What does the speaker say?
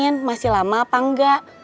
ini tidak ada gas